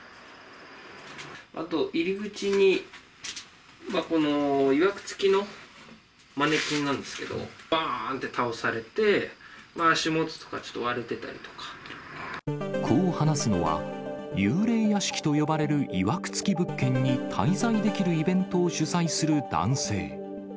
あと入口に、このいわく付きのマネキンなんですけど、ばーんって倒されて、こう話すのは、幽霊屋敷と呼ばれる、いわく付き物件に滞在できるイベントを主催する男性。